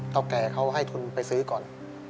แก่เขาให้ทุนไปซื้อก่อน